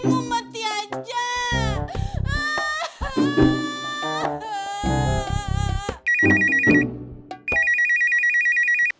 buka pintunya cindy